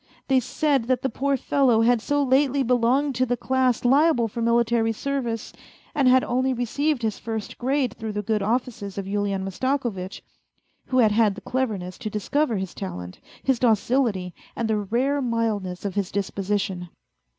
They said that the poor fellow had so lately belonged to the class liable for military service and had only received his first grade through the good offices of Yulian Mastakovitch, who had had the cleverness to discover his talent, his docility, and the rare mildness of his disposition.